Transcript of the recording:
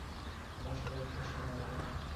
দশটা বাজল শ্যামা এল না।